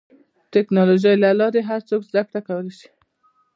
د ټکنالوجۍ له لارې هر څوک زدهکړه کولی شي.